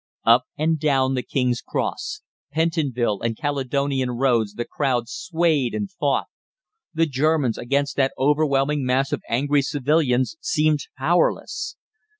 Up and down the King's Cross, Pentonville, and Caledonian Roads the crowd swayed and fought. The Germans against that overwhelming mass of angry civilians seemed powerless.